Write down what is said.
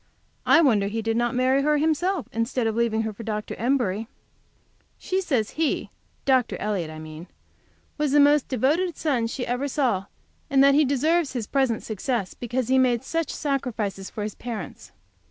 I wonder he did not marry her himself, instead of leaving her for Dr. Embury! She says he, Dr. Elliott, I mean, was the most devoted son she ever saw, and that he deserves his present success because he has made such sacrifices for his parents.